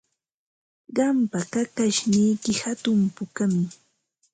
Qampa kakashniyki hatun pukami.